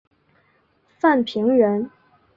范平人。